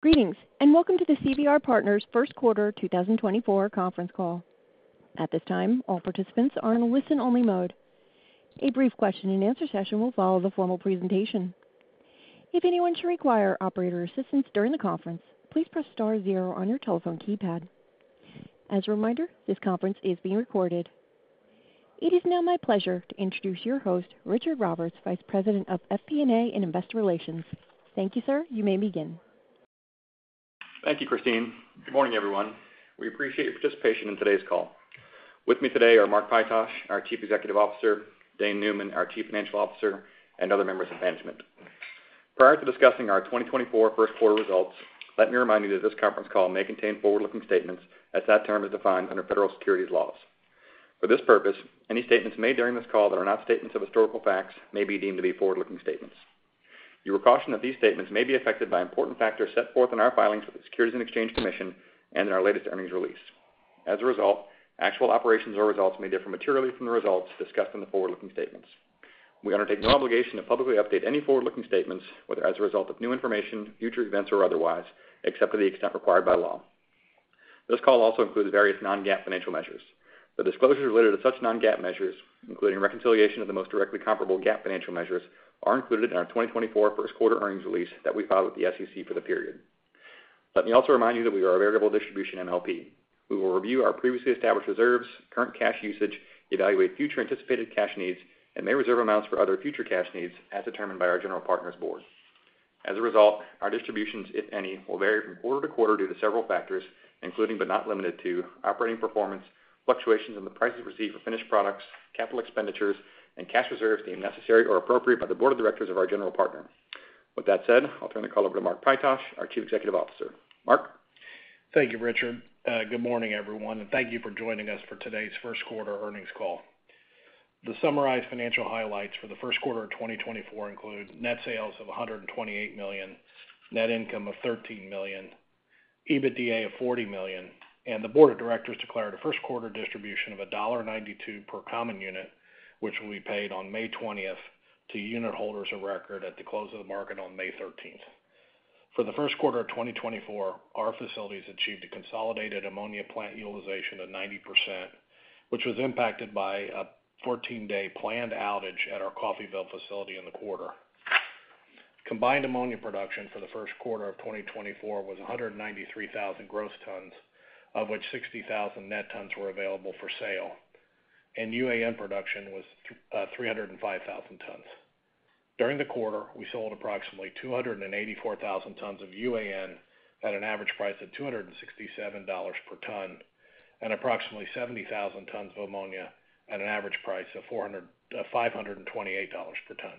Greetings, and welcome to the CVR Partners' First Quarter 2024 conference call. At this time, all participants are in a listen-only mode. A brief question-and-answer session will follow the formal presentation. If anyone should require operator assistance during the conference, please press star zero on your telephone keypad. As a reminder, this conference is being recorded. It is now my pleasure to introduce your host, Richard Roberts, Vice President of FP&A and Investor Relations. Thank you, sir. You may begin. Thank you, Christine. Good morning, everyone. We appreciate your participation in today's call. With me today are Mark Pytosh, our Chief Executive Officer, Dane Neumann, our Chief Financial Officer, and other members of management. Prior to discussing our 2024 first quarter results, let me remind you that this conference call may contain forward-looking statements, as that term is defined under federal securities laws. For this purpose, any statements made during this call that are not statements of historical facts may be deemed to be forward-looking statements. You were cautioned that these statements may be affected by important factors set forth in our filings with the Securities and Exchange Commission and in our latest earnings release. As a result, actual operations or results may differ materially from the results discussed in the forward-looking statements. We undertake no obligation to publicly update any forward-looking statements, whether as a result of new information, future events, or otherwise, except to the extent required by law. This call also includes various non-GAAP financial measures. The disclosures related to such non-GAAP measures, including reconciliation of the most directly comparable GAAP financial measures, are included in our 2024 first quarter earnings release that we filed with the SEC for the period. Let me also remind you that we are a variable distribution MLP. We will review our previously established reserves, current cash usage, evaluate future anticipated cash needs, and may reserve amounts for other future cash needs as determined by our general partner's board. As a result, our distributions, if any, will vary from quarter to quarter due to several factors, including but not limited to operating performance, fluctuations in the prices received for finished products, capital expenditures, and cash reserves deemed necessary or appropriate by the board of directors of our general partner. With that said, I'll turn the call over to Mark Pytosh, our Chief Executive Officer. Mark? Thank you, Richard. Good morning, everyone, and thank you for joining us for today's first quarter earnings call. The summarized financial highlights for the first quarter of 2024 include net sales of $128 million, net income of $13 million, EBITDA of $40 million, and the board of directors declared a first quarter distribution of $1.92 per common unit, which will be paid on May twentieth to unit holders of record at the close of the market on May thirteenth. For the first quarter of 2024, our facilities achieved a consolidated ammonia plant utilization of 90%, which was impacted by a 14-day planned outage at our Coffeyville facility in the quarter. Combined ammonia production for the first quarter of 2024 was 193,000 gross tons, of which 60,000 net tons were available for sale, and UAN production was 305,000 tons. During the quarter, we sold approximately 284,000 tons of UAN at an average price of $267 per ton, and approximately 70,000 tons of ammonia at an average price of $528 per ton.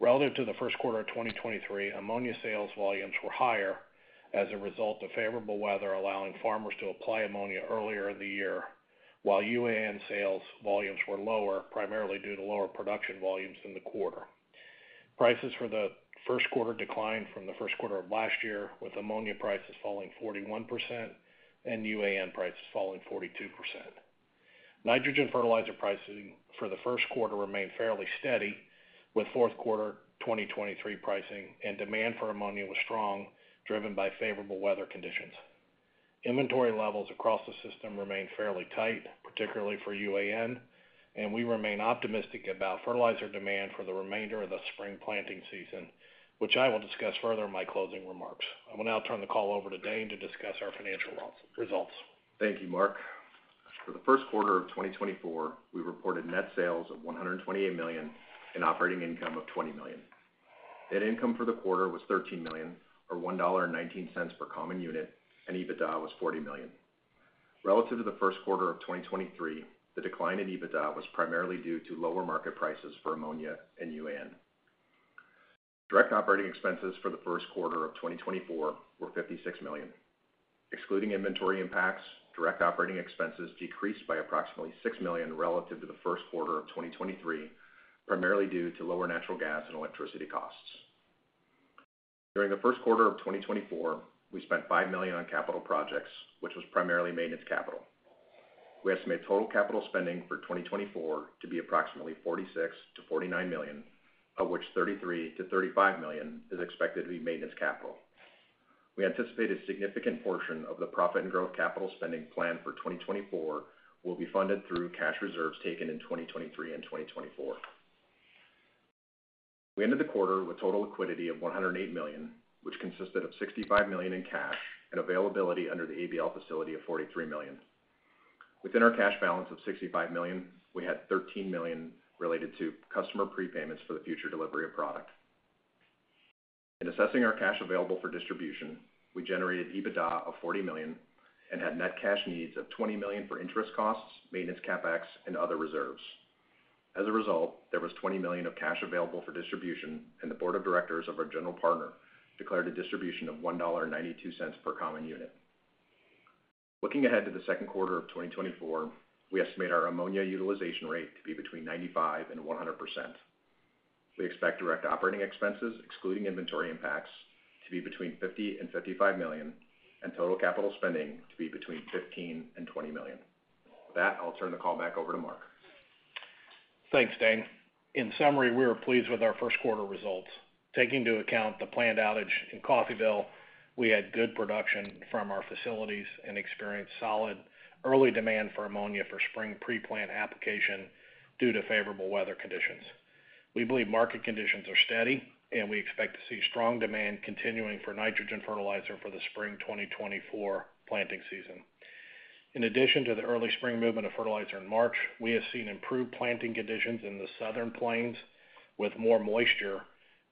Relative to the first quarter of 2023, ammonia sales volumes were higher as a result of favorable weather, allowing farmers to apply ammonia earlier in the year, while UAN sales volumes were lower, primarily due to lower production volumes in the quarter. Prices for the first quarter declined from the first quarter of last year, with ammonia prices falling 41% and UAN prices falling 42%. Nitrogen fertilizer pricing for the first quarter remained fairly steady, with fourth quarter 2023 pricing and demand for ammonia was strong, driven by favorable weather conditions. Inventory levels across the system remained fairly tight, particularly for UAN, and we remain optimistic about fertilizer demand for the remainder of the spring planting season, which I will discuss further in my closing remarks. I will now turn the call over to Dane to discuss our financial results. Thank you, Mark. For the first quarter of 2024, we reported net sales of $128 million and operating income of $20 million. Net income for the quarter was $13 million, or $1.19 per common unit, and EBITDA was $40 million. Relative to the first quarter of 2023, the decline in EBITDA was primarily due to lower market prices for ammonia and UAN. Direct operating expenses for the first quarter of 2024 were $56 million. Excluding inventory impacts, direct operating expenses decreased by approximately $6 million relative to the first quarter of 2023, primarily due to lower natural gas and electricity costs. During the first quarter of 2024, we spent $5 million on capital projects, which was primarily maintenance capital. We estimate total capital spending for 2024 to be approximately $46 million-$49 million, of which $33 million-$35 million is expected to be maintenance capital. We anticipate a significant portion of the profit and growth capital spending plan for 2024 will be funded through cash reserves taken in 2023 and 2024. We ended the quarter with total liquidity of $108 million, which consisted of $65 million in cash and availability under the ABL facility of $43 million. Within our cash balance of $65 million, we had $13 million related to customer prepayments for the future delivery of product. In assessing our cash available for distribution, we generated EBITDA of $40 million and had net cash needs of $20 million for interest costs, maintenance, CapEx, and other reserves. As a result, there was $20 million of cash available for distribution, and the board of directors of our general partner declared a distribution of $1.92 per common unit. Looking ahead to the second quarter of 2024, we estimate our ammonia utilization rate to be between 95% and 100%. We expect direct operating expenses, excluding inventory impacts, to be between $50 million and $55 million, and total capital spending to be between $15 million and $20 million. With that, I'll turn the call back over to Mark.... Thanks, Dane. In summary, we are pleased with our first quarter results. Taking into account the planned outage in Coffeyville, we had good production from our facilities and experienced solid early demand for ammonia for spring pre-plant application due to favorable weather conditions. We believe market conditions are steady, and we expect to see strong demand continuing for nitrogen fertilizer for the spring 2024 planting season. In addition to the early spring movement of fertilizer in March, we have seen improved planting conditions in the Southern Plains with more moisture,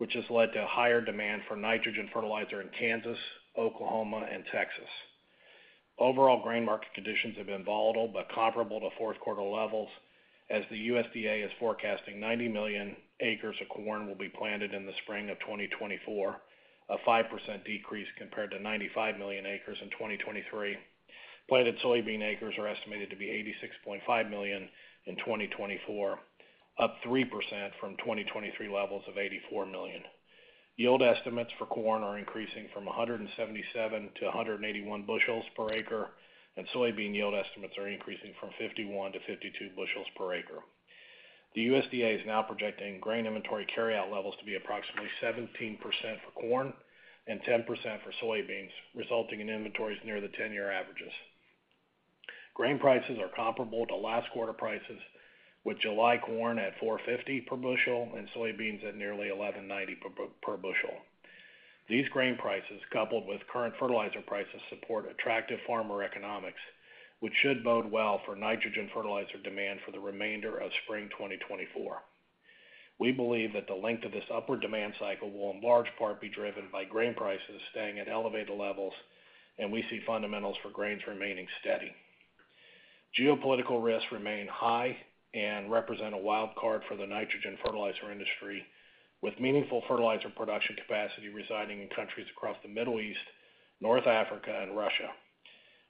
which has led to higher demand for nitrogen fertilizer in Kansas, Oklahoma and Texas. Overall, grain market conditions have been volatile but comparable to fourth quarter levels, as the USDA is forecasting 90 million acres of corn will be planted in the spring of 2024, a 5% decrease compared to 95 million acres in 2023. Planted soybean acres are estimated to be 86.5 million in 2024, up 3% from 2023 levels of 84 million. Yield estimates for corn are increasing from 177 to 181 bushels per acre, and soybean yield estimates are increasing from 51 to 52 bushels per acre. The USDA is now projecting grain inventory carryout levels to be approximately 17% for corn and 10% for soybeans, resulting in inventories near the 10-year averages. Grain prices are comparable to last quarter prices, with July corn at $4.50 per bushel and soybeans at nearly $11.90 per bushel. These grain prices, coupled with current fertilizer prices, support attractive farmer economics, which should bode well for nitrogen fertilizer demand for the remainder of spring 2024. We believe that the length of this upward demand cycle will in large part be driven by grain prices staying at elevated levels, and we see fundamentals for grains remaining steady. Geopolitical risks remain high and represent a wild card for the nitrogen fertilizer industry, with meaningful fertilizer production capacity residing in countries across the Middle East, North Africa and Russia.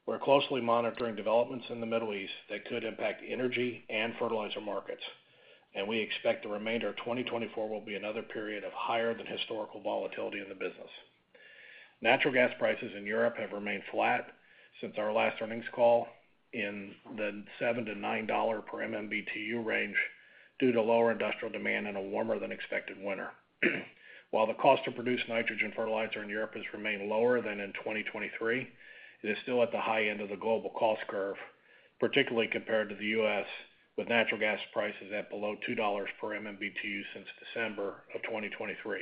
We're closely monitoring developments in the Middle East that could impact energy and fertilizer markets, and we expect the remainder of 2024 will be another period of higher than historical volatility in the business. Natural gas prices in Europe have remained flat since our last earnings call in the $7-$9 per MMBtu range due to lower industrial demand and a warmer than expected winter. While the cost to produce nitrogen fertilizer in Europe has remained lower than in 2023, it is still at the high end of the global cost curve, particularly compared to the U.S., with natural gas prices at below $2 per MMBtu since December of 2023.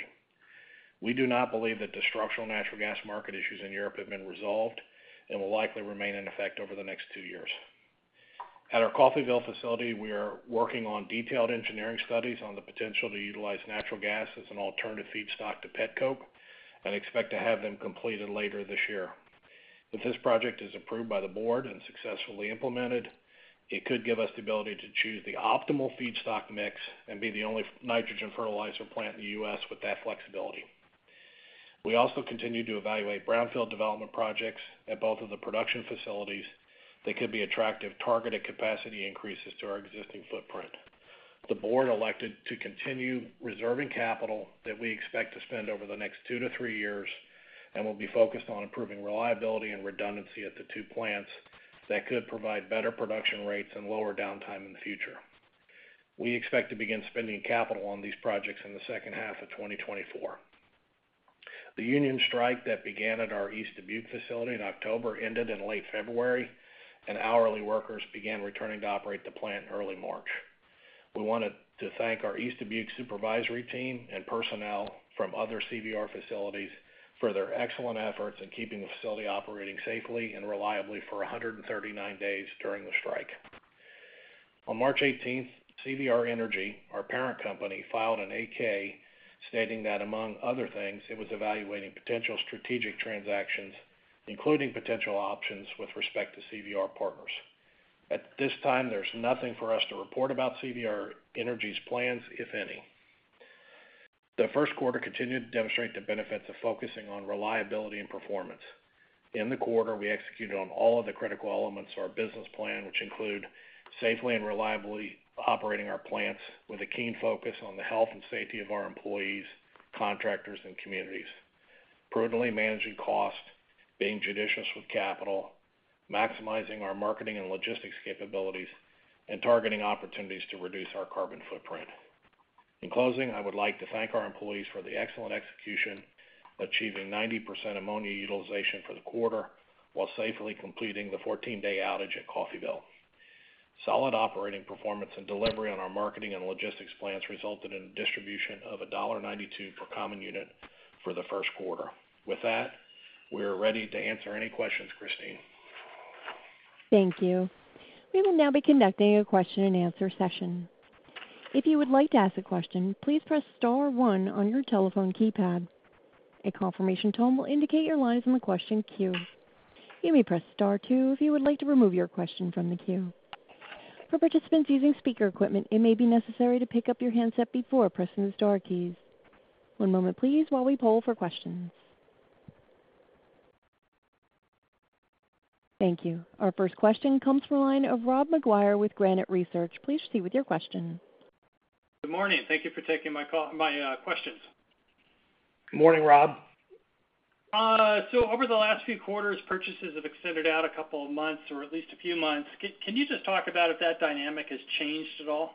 We do not believe that the structural natural gas market issues in Europe have been resolved and will likely remain in effect over the next 2 years. At our Coffeyville facility, we are working on detailed engineering studies on the potential to utilize natural gas as an alternative feedstock to petcoke and expect to have them completed later this year. If this project is approved by the board and successfully implemented, it could give us the ability to choose the optimal feedstock mix and be the only nitrogen fertilizer plant in the U.S. with that flexibility. We also continue to evaluate brownfield development projects at both of the production facilities that could be attractive targeted capacity increases to our existing footprint. The Board elected to continue reserving capital that we expect to spend over the next 2-3 years and will be focused on improving reliability and redundancy at the two plants that could provide better production rates and lower downtime in the future. We expect to begin spending capital on these projects in the second half of 2024. The union strike that began at our East Dubuque facility in October ended in late February, and hourly workers began returning to operate the plant in early March. We wanted to thank our East Dubuque supervisory team and personnel from other CVR facilities for their excellent efforts in keeping the facility operating safely and reliably for 139 days during the strike. On March eighteenth, CVR Energy, our parent company, filed an 8-K stating that, among other things, it was evaluating potential strategic transactions, including potential options with respect to CVR Partners. At this time, there's nothing for us to report about CVR Energy's plans, if any. The first quarter continued to demonstrate the benefits of focusing on reliability and performance. In the quarter, we executed on all of the critical elements of our business plan, which include safely and reliably operating our plants with a keen focus on the health and safety of our employees, contractors, and communities, prudently managing costs, being judicious with capital, maximizing our marketing and logistics capabilities, and targeting opportunities to reduce our carbon footprint. In closing, I would like to thank our employees for the excellent execution, achieving 90% ammonia utilization for the quarter, while safely completing the 14-day outage at Coffeyville. Solid operating performance and delivery on our marketing and logistics plans resulted in a distribution of $1.92 per common unit for the first quarter. With that, we are ready to answer any questions, Christine. Thank you. We will now be conducting a question-and-answer session. If you would like to ask a question, please press star one on your telephone keypad. A confirmation tone will indicate your line is in the question queue. You may press star two if you would like to remove your question from the queue. For participants using speaker equipment, it may be necessary to pick up your handset before pressing the star keys. One moment, please, while we poll for questions. Thank you. Our first question comes from the line of Rob McGuire with Granite Research. Please proceed with your question. Good morning. Thank you for taking my call, my questions.... Good morning, Rob. Over the last few quarters, purchases have extended out a couple of months, or at least a few months. Can you just talk about if that dynamic has changed at all?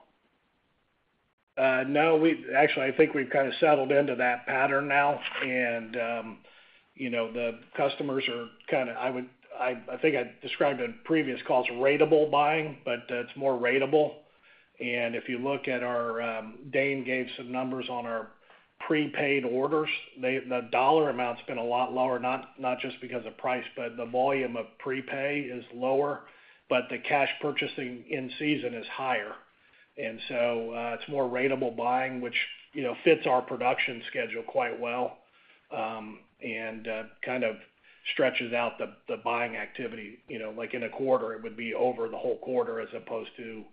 No, we actually, I think we've kind of settled into that pattern now. And, you know, the customers are kinda, I would—I, I think I described in previous calls, ratable buying, but, it's more ratable. And if you look at our, Dane gave some numbers on our prepaid orders. They the dollar amount's been a lot lower, not, not just because of price, but the volume of prepay is lower, but the cash purchasing in season is higher. And so, it's more ratable buying, which, you know, fits our production schedule quite well, and, kind of stretches out the, the buying activity, you know, like in a quarter, it would be over the whole quarter as opposed to,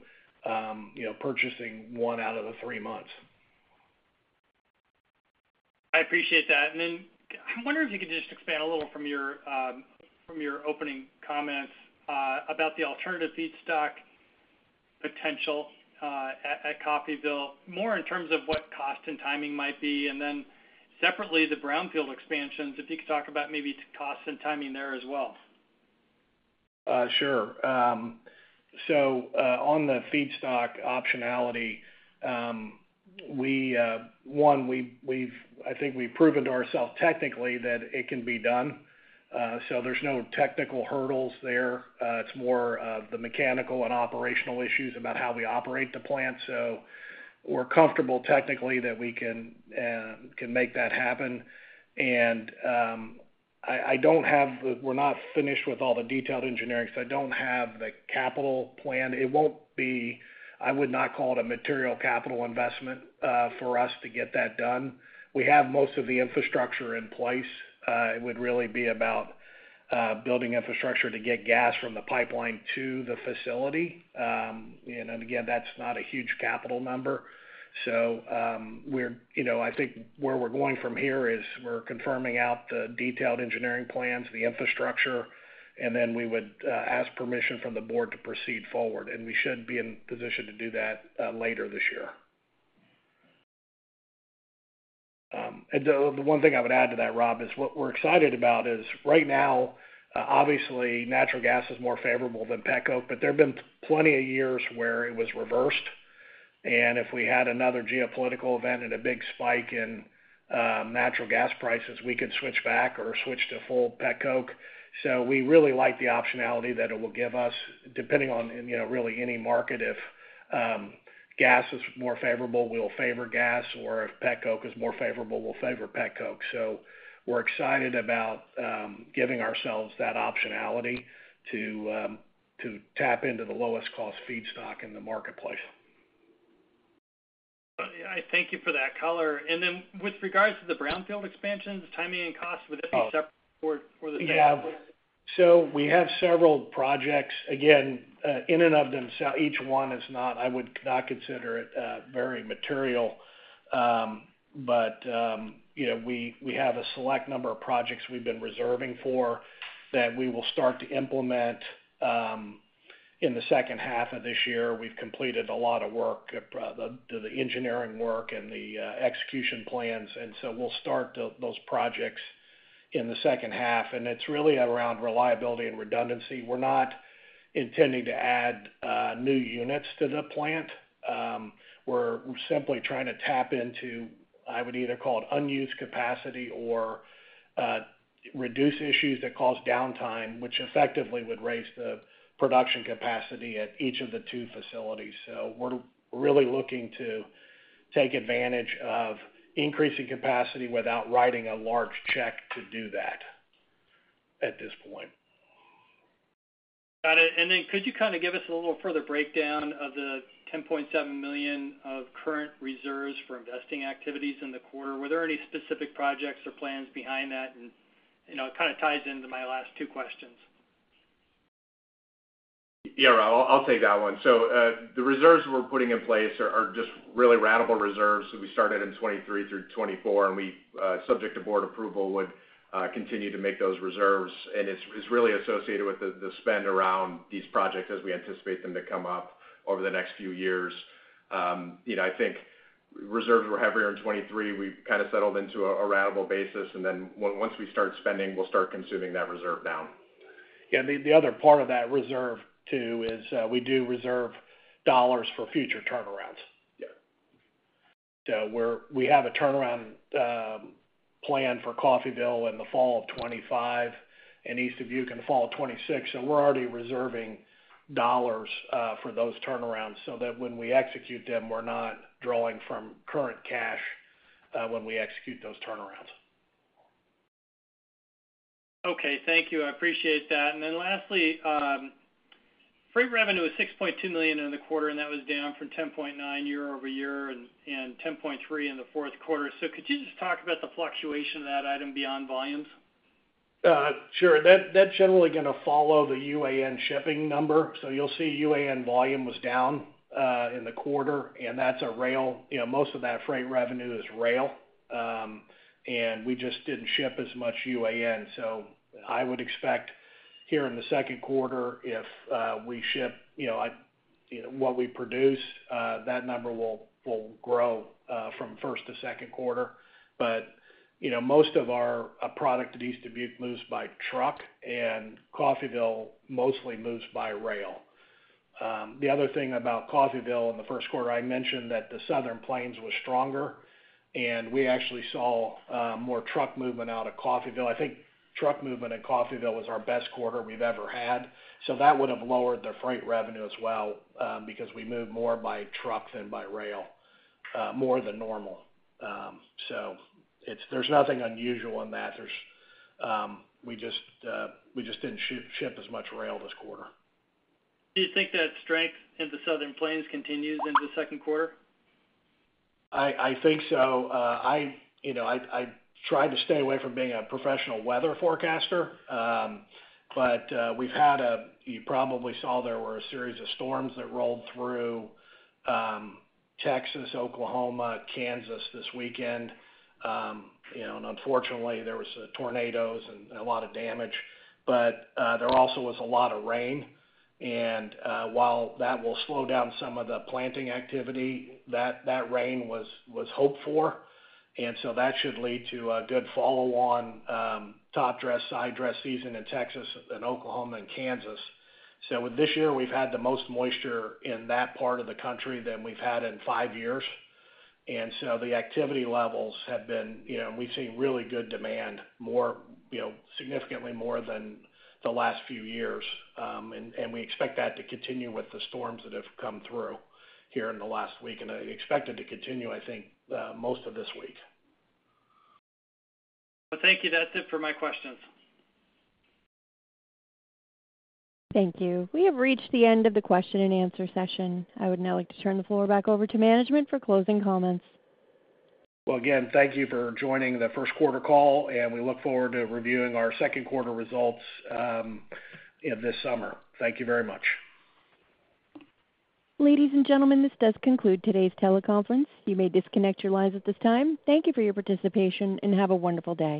you know, purchasing one out of the three months. I appreciate that. And then I'm wondering if you could just expand a little from your opening comments about the alternative feedstock potential at Coffeyville, more in terms of what cost and timing might be. And then separately, the brownfield expansions, if you could talk about maybe cost and timing there as well. Sure. So, on the feedstock optionality, we've proven to ourselves technically that it can be done. So there's no technical hurdles there. It's more of the mechanical and operational issues about how we operate the plant. So we're comfortable technically that we can make that happen. And I don't have the-- we're not finished with all the detailed engineering, so I don't have the capital plan. It won't be... I would not call it a material capital investment for us to get that done. We have most of the infrastructure in place. It would really be about building infrastructure to get gas from the pipeline to the facility. And, again, that's not a huge capital number. So, you know, I think where we're going from here is we're confirming out the detailed engineering plans, the infrastructure, and then we would ask permission from the board to proceed forward, and we should be in position to do that later this year. And the one thing I would add to that, Rob, is what we're excited about is, right now, obviously, natural gas is more favorable than petcoke, but there have been plenty of years where it was reversed. And if we had another geopolitical event and a big spike in natural gas prices, we could switch back or switch to full petcoke. So we really like the optionality that it will give us, depending on, you know, really any market. If gas is more favorable, we'll favor gas, or if petcoke is more favorable, we'll favor petcoke. We're excited about giving ourselves that optionality to tap into the lowest cost feedstock in the marketplace. I thank you for that color. And then with regards to the Brownfield expansions, timing and cost, would that be separate for the- Yeah. So we have several projects. Again, in and of themselves, each one is not—I would not consider it very material. But you know, we have a select number of projects we've been reserving for that we will start to implement in the second half of this year. We've completed a lot of work, the engineering work and the execution plans, and so we'll start those projects in the second half. And it's really around reliability and redundancy. We're not intending to add new units to the plant. We're simply trying to tap into, I would either call it unused capacity or reduce issues that cause downtime, which effectively would raise the production capacity at each of the two facilities. We're really looking to take advantage of increasing capacity without writing a large check to do that at this point. Got it. And then could you kind of give us a little further breakdown of the $10.7 million of current reserves for investing activities in the quarter? Were there any specific projects or plans behind that? And, you know, it kind of ties into my last two questions. Yeah, Rob, I'll take that one. So, the reserves we're putting in place are just really ratable reserves that we started in 2023 through 2024, and we, subject to board approval, would continue to make those reserves. And it's really associated with the spend around these projects as we anticipate them to come up over the next few years. You know, I think reserves were heavier in 2023. We've kind of settled into a ratable basis, and then once we start spending, we'll start consuming that reserve down. Yeah, the other part of that reserve, too, is we do reserve dollars for future turnarounds. Yeah. We have a turnaround plan for Coffeyville in the fall of 2025 and East Dubuque in fall of 2026. So we're already reserving dollars for those turnarounds so that when we execute them, we're not drawing from current cash when we execute those turnarounds. Okay. Thank you. I appreciate that. Then lastly, freight revenue was $6.2 million in the quarter, and that was down from $10.9 million year-over-year and $10.3 million in the fourth quarter. Could you just talk about the fluctuation of that item beyond volumes? Sure. That's generally gonna follow the UAN shipping number. So you'll see UAN volume was down in the quarter, and that's a rail. You know, most of that freight revenue is rail. And we just didn't ship as much UAN. So I would expect here in the second quarter, if we ship, you know, you know, what we produce, that number will grow from first to second quarter. But you know, most of our product at East Dubuque moves by truck, and Coffeyville mostly moves by rail. The other thing about Coffeyville in the first quarter, I mentioned that the Southern Plains was stronger, and we actually saw more truck movement out of Coffeyville. I think truck movement at Coffeyville was our best quarter we've ever had. So that would have lowered the freight revenue as well, because we moved more by truck than by rail, more than normal. So it's. There's nothing unusual in that. We just didn't ship as much rail this quarter. Do you think that strength in the Southern Plains continues into the second quarter? I think so. You know, I try to stay away from being a professional weather forecaster. But we've had a—you probably saw there were a series of storms that rolled through Texas, Oklahoma, Kansas this weekend. You know, and unfortunately, there was tornadoes and a lot of damage. But there also was a lot of rain. And while that will slow down some of the planting activity, that rain was hoped for. And so that should lead to a good follow-on topdress, side dress season in Texas and Oklahoma and Kansas. So with this year, we've had the most moisture in that part of the country than we've had in five years. The activity levels have been, you know, we've seen really good demand, more, you know, significantly more than the last few years. And we expect that to continue with the storms that have come through here in the last week, and I expect it to continue, I think, most of this week. Well, thank you. That's it for my questions. Thank you. We have reached the end of the question-and-answer session. I would now like to turn the floor back over to management for closing comments. Well, again, thank you for joining the first quarter call, and we look forward to reviewing our second quarter results, this summer. Thank you very much. Ladies and gentlemen, this does conclude today's teleconference. You may disconnect your lines at this time. Thank you for your participation, and have a wonderful day.